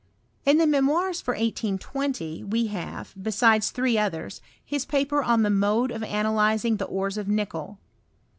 In the Memoirs for 1820 we have, besides three others, his paper on the mode of analyzing the ores of nickel.